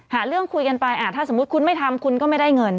หาเรื่องคุยกันไปถ้าสมมุติคุณไม่ทำคุณก็ไม่ได้เงิน